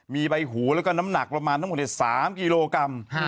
มีใบหูแล้วก็น้ำหนักประมาณทั้งหมด๓กิโลกรัม